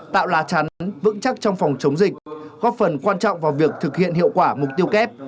tạo lá chắn vững chắc trong phòng chống dịch góp phần quan trọng vào việc thực hiện hiệu quả mục tiêu kép